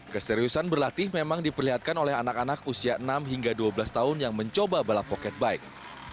keseriusan berlatih memang diperlihatkan oleh anak anak usia enam hingga dua belas tahun yang mencoba balap pocket bike